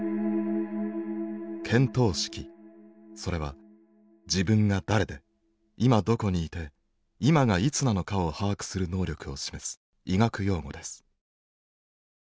それは自分が誰で今どこにいて今がいつなのかを把握する能力を示す医学用語です。